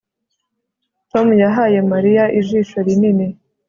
Tom yahaye Mariya ijisho rinini